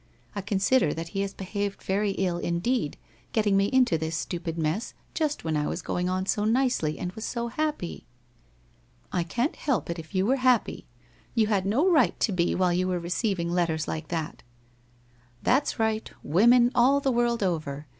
I consider that he has behaved very ill indeed, getting me into this stupid mess, just when I was going on so nicely and was so happy !'' I can't help it if you were happy. You had no right to be while you were receiving letters like that.' ' That's right — women all the world over